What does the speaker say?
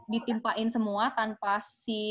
ditimpain semua tanpa si